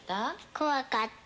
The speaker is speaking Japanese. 怖かった。